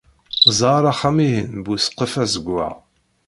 Ẓer axxam-ihin bu ssqef azeggaɣ.